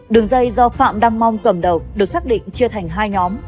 đường dây do phạm đăng mong cầm đầu được xác định chia thành hai nhóm